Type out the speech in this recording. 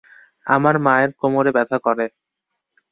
আমার মায়ের কোমরে ব্যথা করে।